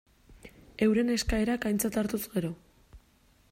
Euren eskaerak aintzat hartuz gero.